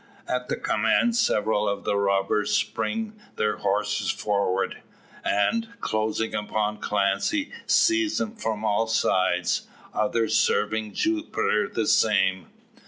At the command several of the robbers spring their horses forward, and, closing upon Clancy, seize him from all sides; others serving Jupiter the same.